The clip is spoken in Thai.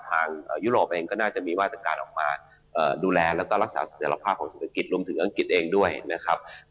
ยุโรปเองก็น่าจะมีมาตรการออกมาดูแลแล้วก็รักษาเสถียรภาพของเศรษฐกิจรวมถึงอังกฤษเองด้วยนะครับ